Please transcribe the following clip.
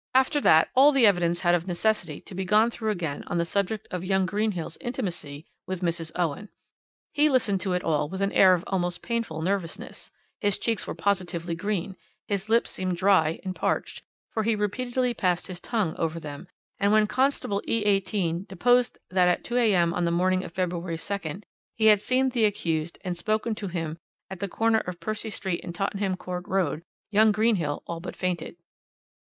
"After that all the evidence had of necessity to be gone through again on the subject of young Greenhill's intimacy with Mrs. Owen. He listened to it all with an air of the most painful nervousness, his cheeks were positively green, his lips seemed dry and parched, for he repeatedly passed his tongue over them, and when Constable E 18 deposed that at 2 a.m. on the morning of February 2nd he had seen the accused and spoken to him at the corner of Percy Street and Tottenham Court Road, young Greenhill all but fainted.